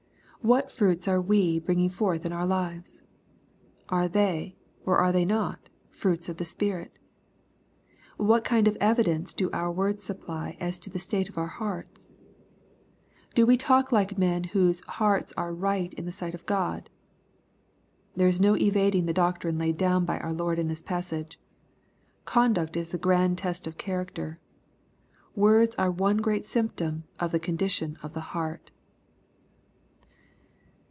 What fruits are we bringing forth in our lives ? Are they, or are they not, fruits of the Spirit ? What kind of evidence do our words supply as to the state of our hearts ? Do we talk like men whose hearts are ^^ right in the sight of God ?"— There is no evading the doctrine laid down by our Lord in this passage. Conduct is the grand test of character. Words are one great symptom of the con dition of the heart.